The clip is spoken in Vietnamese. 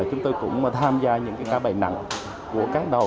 chúng tôi cũng tham gia những cái các bệnh nặng của các đầu